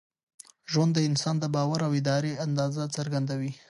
ژوند د انسان د باور او ارادې اندازه څرګندوي.